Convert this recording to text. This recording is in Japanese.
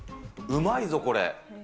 うまいぞ、これ。